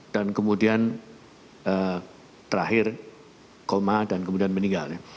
dan kemudian terakhir koma dan kemudian meninggal